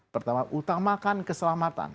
pertama utamakan keselamatan